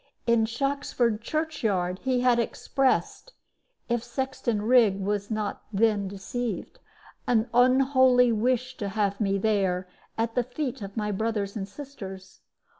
In Shoxford church yard he had expressed (if Sexton Rigg was not then deceived) an unholy wish to have me there, at the feet of my brothers and sisters.